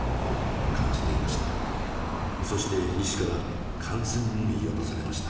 そして医師から感染を言い渡されました。